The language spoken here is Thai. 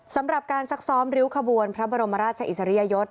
สำหรับการซักซ้อมริ้วขบวนพระบรมราชอิสริยยศ